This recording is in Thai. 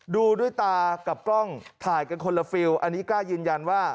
ดูด้วยตากับกล้องถ่ายกันคนละฟิลอันนี้กล้ายืนยันว่า